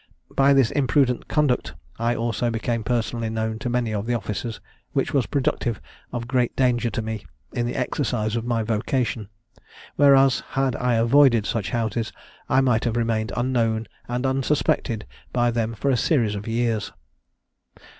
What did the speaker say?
By this imprudent conduct I also became personally known to many of the officers, which was productive of great danger to me in the exercise of my vocation; whereas, had I avoided such houses, I might have remained unknown and unsuspected by them for a series of years."